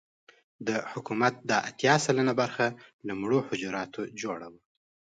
د حکومت دا اتيا سلنه برخه له مړو حجراتو جوړه وه.